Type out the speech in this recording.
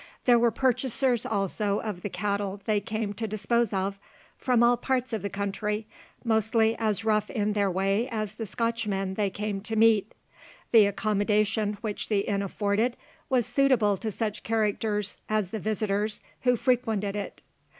There were purchasers also of the cattle they came to dispose of from all parts of the country, mostly as rough in their way as the Scotchmen they came to meet. The accommodation which the inn afforded was suitable to such characters as the visitors who frequented it.